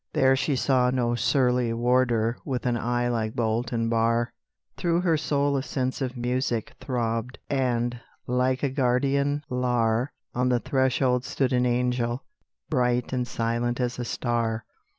There she saw no surly warder With an eye like bolt and bar; Through her soul a sense of music Throbbed, and, like a guardian Lar, On the threshold stood an angel, Bright and silent as a star.